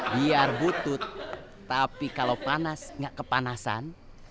biar butut tapi kalau panas nggak kepanasan